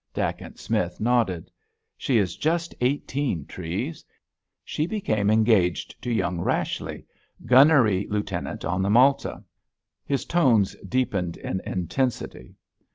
Dacent Smith nodded. "She is just eighteen, Treves. She became engaged to young Rashleigh, gunnery lieutenant on the Malta." His tones deepened in intensity.